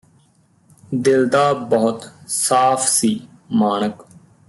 ਦਿਲ ਦਾ ਬਹੁਤ ਸਾਫ ਸੀ ਮਾਣਕ